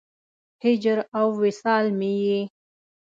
هجر او وصال مې یې